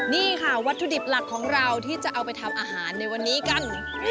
นี่ค่ะวัตถุดิบหลักของเราที่จะเอาไปทำอาหารในวันนี้กัน